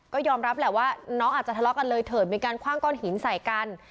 ก็ยอมรับแหละว่าน้องอาจจะทะเลาะกันเลยเถิดมีการคว่างก้อนหินใส่กัน